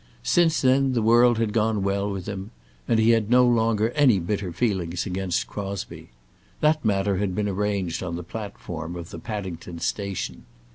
Since then the world had gone well with him; and he had no longer any very bitter feeling against Crosbie. That matter had been arranged on the platform of the Paddington Station.